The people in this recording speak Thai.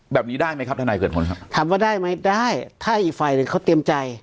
แบบนี้ได้ไหมครับทนายเกิดผลครับถามว่าได้ไหมได้ถ้าอีกฝ่ายหนึ่งเขาเตรียมใจ